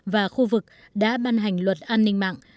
và khu vực đã ban hành luật an ninh mạng